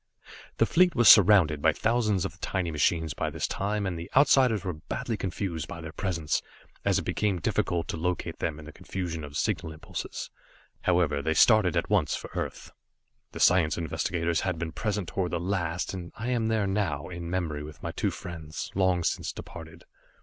The fleet was surrounded by thousands of the tiny machines by this time, and the Outsiders were badly confused by their presence, as it became difficult to locate them in the confusion of signal impulses. However, they started at once for Earth. The science investigators had been present toward the last, and I am there now, in memory with my two friends, long since departed.